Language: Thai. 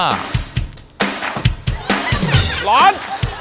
หลอน